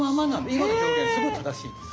今の表現すごい正しいです。